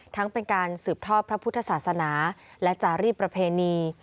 เป็นการสืบทอดพระพุทธศาสนาและจารีประเพณี